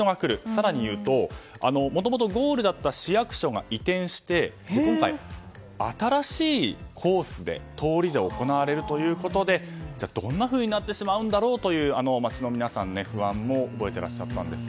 更に言うともともとゴールだった市役所が移転して今回、新しいコースで、通りで行われるということでどんなふうになってしまうんだろうと街の皆さんも、不安を覚えていらっしゃったんです。